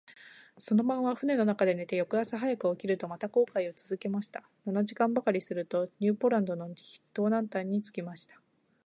その晩は舟の中で寝て、翌朝早く起きると、また航海をつづけました。七時間ばかりすると、ニューポランドの東南端に着きました。